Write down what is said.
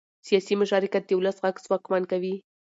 سیاسي مشارکت د ولس غږ ځواکمن کوي